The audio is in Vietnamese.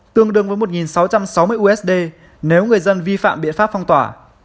tương đương với một sáu trăm sáu mươi usd nếu người dân vi phạm biện pháp phong tỏa